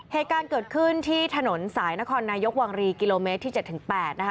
เหตุการณ์เกิดขึ้นที่ถนนสายนครนายกวังรีกิโลเมตรที่๗๘นะคะ